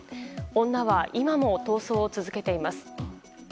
女は今も逃走を続けています。